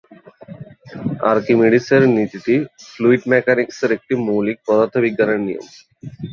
আর্কিমিডিসের নীতিটি ফ্লুইড মেকানিক্স-এর একটি মৌলিক পদার্থবিজ্ঞানের নিয়ম।